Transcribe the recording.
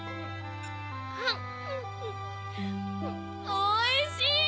おいしい！